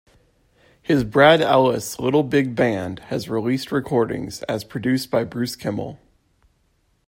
His Brad Ellis Little Big Band has released recordings, as produced by Bruce Kimmel.